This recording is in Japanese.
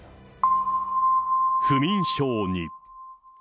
不眠症に。